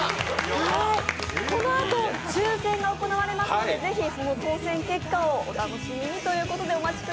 このあと、抽選が行われますのでぜひ当選結果をお楽しみにということです。